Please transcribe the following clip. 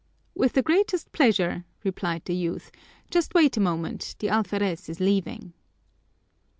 "With the greatest pleasure," replied the youth. "Just wait a moment, the alferez is leaving."